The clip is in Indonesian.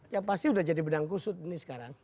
ya pasti udah jadi benang kusut ini sekarang